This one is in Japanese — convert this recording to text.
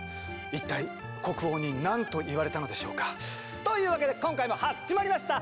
一体国王に何と言われたのでしょうか？というわけで今回も始まりました！